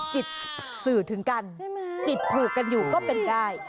จิตสื่อถึงกันจิตถูกกันอยู่ก็เป็นได้